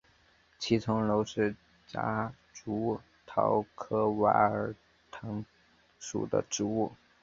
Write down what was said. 七层楼是夹竹桃科娃儿藤属的植物。